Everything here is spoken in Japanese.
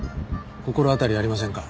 心当たりありませんか？